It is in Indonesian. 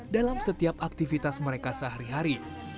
dalam setiap aktivitas mereka sehari hari